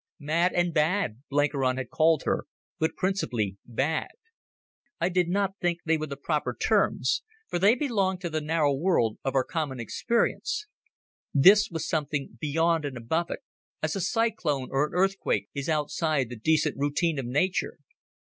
"Mad and bad," Blenkiron had called her, "but principally bad." I did not think they were the proper terms, for they belonged to the narrow world of our common experience. This was something beyond and above it, as a cyclone or an earthquake is outside the decent routine of nature.